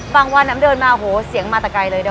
บางวันเดินมาเสียงมอตะไก้เลย